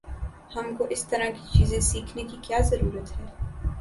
ہم کو اس طرح کی چیزیں سیکھنے کی کیا ضرورت ہے؟